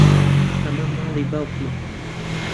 ئەمە ماڵی باوکمە.